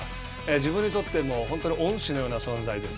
自分にとっても本当に恩師のような存在です。